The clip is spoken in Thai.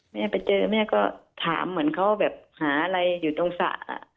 แม่ไปเจอแม่ก็ถามเหมือนเขาแบบหาอะไรอยู่ตรงสระ